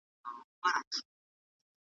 د فرهنګ او تمدن مرکز ویرژلي هرات ته! ,